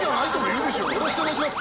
よろしくお願いします！